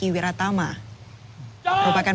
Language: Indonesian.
pada tahun seribu sembilan ratus tujuh puluh